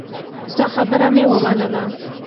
ستا خبره مې ومنله.